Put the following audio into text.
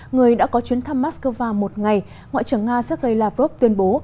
người đã có chuyến thăm moscow một ngày ngoại trưởng nga sergei lavrov tuyên bố